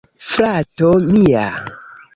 Frato mia..